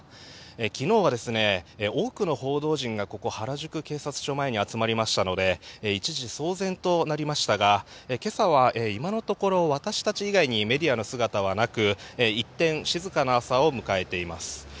昨日は多くの報道陣がここ、原宿警察署前に集まりましたので一時、騒然となりましたが今朝は今のところ私たち以外にメディアの姿はなく一転、静かな朝を迎えています。